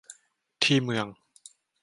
ที่เมือง